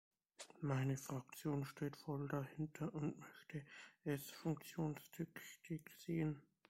Meine Fraktion steht voll dahinter und möchte es funktionstüchtig sehen.